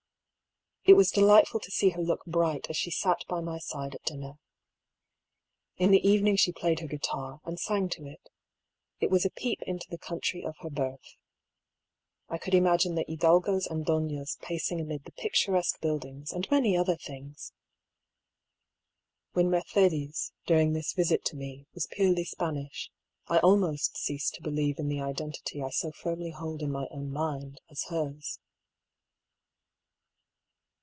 It was delightful to see her look bright as she sat by my side at dinner. In the evening she played her guitar, and sang to it. It was a peep into the country of her birth. I could imagine the hidalgos and donnas pacing amid the picturesque buildings, and many other things. When Mercedes, during this visit to me, was purely Spanish, I almost ceased to believe in the identity I so firmly hold in my own mind as hers.